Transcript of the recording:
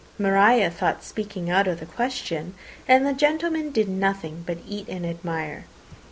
Maria thought speaking out of the question, and the gentlemen did nothing but eat and admire.